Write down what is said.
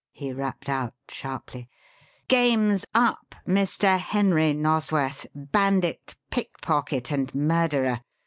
he rapped out sharply. "Game's up, Mr. Henry Nosworth, bandit, pickpocket, and murderer!